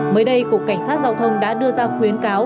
mới đây cục cảnh sát giao thông đã đưa ra khuyến cáo